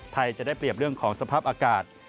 ไทยจะได้เปรียบเรื่องของสภาพอากาศ